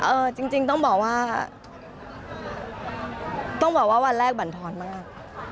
เออจริงต้องบอกว่าวันแรกบันทรมาก